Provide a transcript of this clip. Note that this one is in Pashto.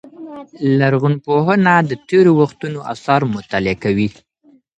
لرغونپوهنه د تېرو وختونو آثار مطالعه کوي.